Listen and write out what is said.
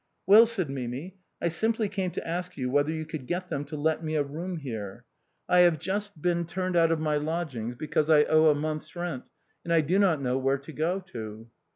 " Well," said Mimi, " I simply came to ask you whether you could get them to let me a room here. I have just been 324 THE BOHEMIANS OF THE LATIN QU^ETEE. turned out of my lodgings because I owe a month's rent and I do not know where to go to."